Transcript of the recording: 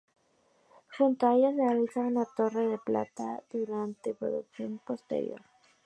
Junto a ella se alza una torre de planta cuadrada de ejecución posterior.